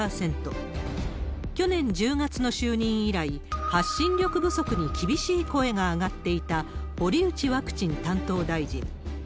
去年１０月の就任以来、発信力不足に厳しい声が上がっていた堀内ワクチン担当大臣。